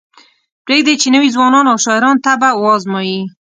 پریږدئ چې نوي ځوانان او شاعران طبع وازمایي.